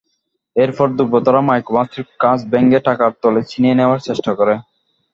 এরপর দুর্বৃত্তরা মাইক্রোবাসটির কাচ ভেঙে টাকার থলে ছিনিয়ে নেওয়ার চেষ্টা করে।